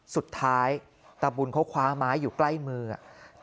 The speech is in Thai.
สุดท้ายตะบุญเขาคว้าไม้อยู่ใกล้มืออ่ะ